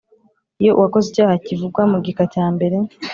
Iyo uwakoze icyaha kivugwa mu gika cyambere